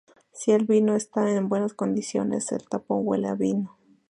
Si el vino está en buenas condiciones, el tapón huele a vino.